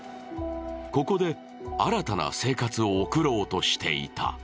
ここで新たな生活を送ろうとしていた。